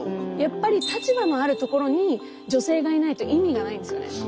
やっぱり立場のあるところに女性がいないと意味がないんですよね。